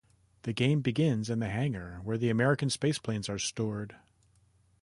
The game begins in the hangar where the American spaceplanes are stored.